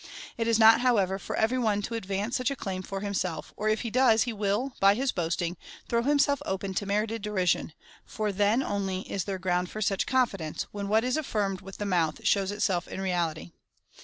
It is not, how ever, for every one to advance such a claim for himself, or if he does, he will, by his boasting, throw himself open to merited derision, for then only is there ground for such con fidence, when what is affirmed with the mouth shows itself in reality.